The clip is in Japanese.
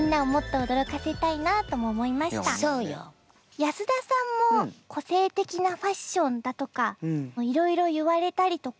安田さんも個性的なファッションだとかいろいろ言われたりとか。